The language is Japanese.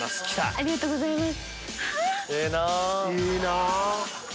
ありがとうございます。